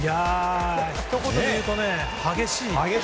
ひと言でいうと激しい。